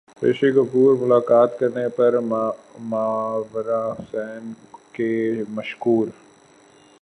رشی کپور ملاقات کرنے پر ماورا حسین کے مشکور